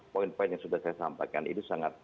poin poin yang sudah saya sampaikan itu sangat